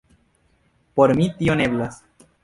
Por mi tio ne eblas.